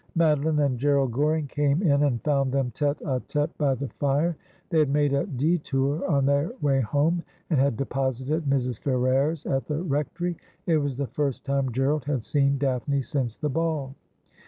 Madoline and G erald Goring came in and found them tete d tete by the fire. They had made a detour on their way home, and had deposited Mrs. Ferrers at the Rectory. It was the first time Gerald had seen Daphne since the ball.